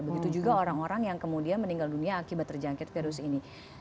begitu juga orang orang yang kemudian meninggal dunia akibat terjangkit virus ini